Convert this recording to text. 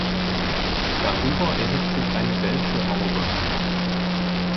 Darüber erhebt sich eine welsche Haube.